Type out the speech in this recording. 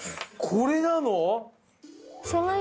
これなの？